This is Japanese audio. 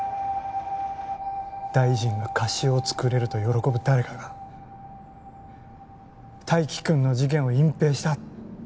大臣が貸しを作れると喜ぶ誰かが泰生君の事件を隠蔽した。